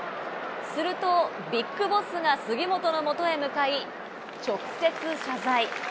するとＢＩＧＢＯＳＳが杉本のもとへ向かい、直接謝罪。